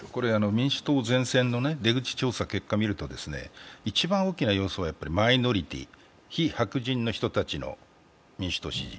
民主党善戦の出口調査の結果を見ると一番大きな要素はマイノリティー非白人の人たちの民主党支持。